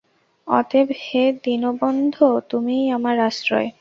অতএব হে দীনবন্ধো! তুমিই আমার আশ্রয়।